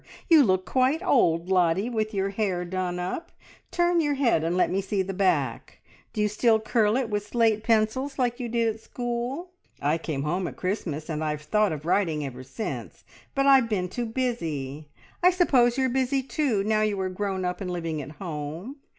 You look quite old, Lottie, with your hair done up. Turn your head and let me see the back! D'you still curl it with slate pencils, like you did at school? I came home at Christmas, and I've thought of writing ever since, but I've been too busy. I suppose you're busy too, now you are grown up and living at home.